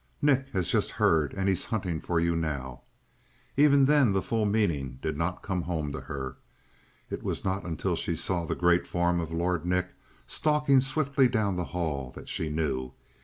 Nick has just heard and he's hunting for you now!" Even then the full meaning did not come home to her. It was not until she saw the great form of Lord Nick stalking swiftly down the hall that she knew.